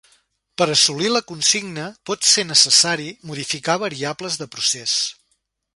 Per assolir la consigna pot ser necessari modificar variables de procés.